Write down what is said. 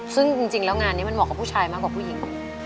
ซึ่งจริงแล้วงานนี้มันเหมาะกับผู้ชายมากกว่าผู้หญิง